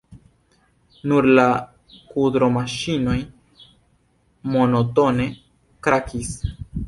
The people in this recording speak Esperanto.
Nur la kudromaŝinoj monotone krakis.